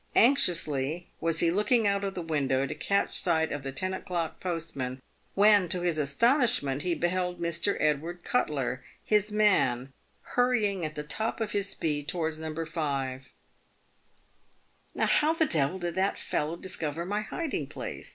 Anxiously was he looking out of the window to catch sight of the ten o'clock postman, when to his astonishment he beheld Mr. Edward Cutler, his man, hurrying at the top of his speed towards ]No. 5. " Now, how the devil did that fellow discover my hiding place